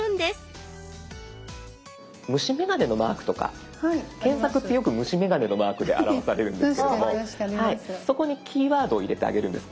虫眼鏡のマークとか検索ってよく虫眼鏡のマークで表されるんですけれどもそこにキーワードを入れてあげるんです。